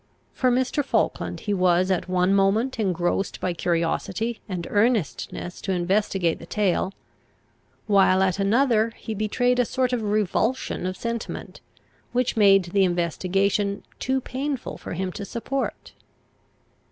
For Mr. Falkland, he was at one moment engrossed by curiosity and earnestness to investigate the tale, while at another he betrayed a sort of revulsion of sentiment, which made the investigation too painful for him to support.